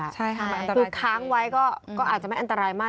คือค้างไว้ก็อาจจะไม่อันตรายมาก